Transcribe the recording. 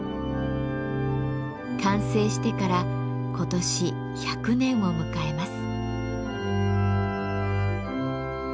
完成してから今年１００年を迎えます。